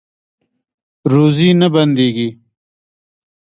روزي نه بندیږي